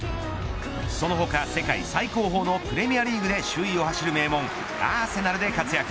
その他、世界最高峰のプレミアリーグで首位を走る名門アーセナルで活躍。